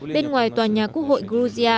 bên ngoài tòa nhà quốc hội georgia